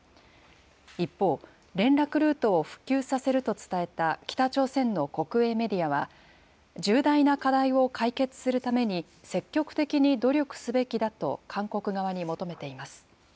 一方、連絡ルートを復旧させると伝えた北朝鮮の国営メディアは、重大な課題を解決するために、積極的に努力すべきだと韓国側に求めています。